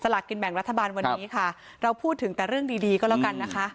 ลากินแบ่งรัฐบาลวันนี้ค่ะเราพูดถึงแต่เรื่องดีดีก็แล้วกันนะคะ